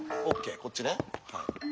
こっちね。